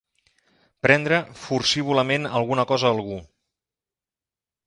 Prendre forcívolament alguna cosa a algú.